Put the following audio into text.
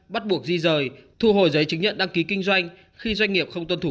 bắt buộc di rời thu hồi giấy chứng nhận đăng ký kinh doanh khi doanh nghiệp không tuân thủ